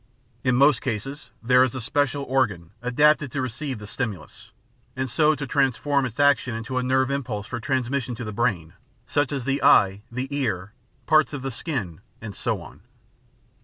In most cases there is a special organ adapted to receive the stimulus, and so to transform its action into a nerve impulse for transmission to the brain, such as the eye, the ear, parts of the skin, and so on.